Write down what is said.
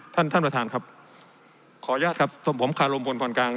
ท่านประธานครับขออนุญาตครับผมคารมพลพรกลาง